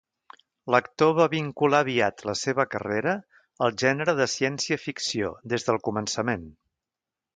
L'actor va vincular aviat la seva carrera al gènere de ciència-ficció des del començament.